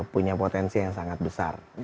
punya potensi yang sangat besar